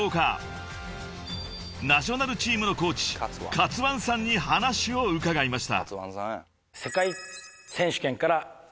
［ナショナルチームのコーチＫＡＴＳＵＯＮＥさんに話を伺いました］